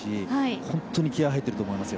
本当に気合入っていると思いますよ。